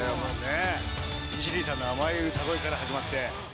イジリーさんの甘い歌声から始まって。